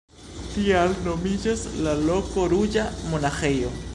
Tial nomiĝas la loko ruĝa monaĥejo.